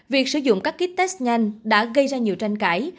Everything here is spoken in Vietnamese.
việc sử dụng các ký test nhanh đã gây ra nhiều tranh cãi